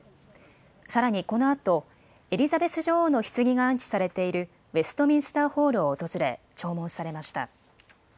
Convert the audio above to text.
さらにこのあとエリザベス女王のひつぎが安置されているウェストミンスターホールを訪れ弔問されました。